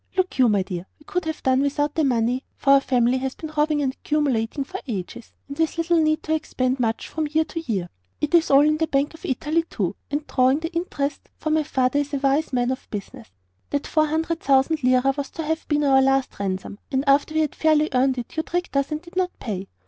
"Look you, my dear, we could have done without the money, for our family has been robbing and accumulating for ages, with little need to expend much from year to year. It is all in the Bank of Italy, too, and drawing the interest, for my father is a wise man of business. That four hundred thousand lira was to have been our last ransom, and after we had fairly earned it you tricked us and did not pay.